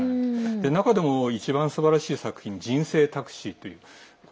中でも一番すばらしい作品「人生タクシー」という。